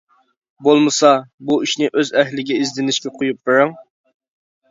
بولمىسا، بۇ ئىشنى ئۆز ئەھلىنىڭ ئىزدىنىشىگە قويۇپ بېرىڭ!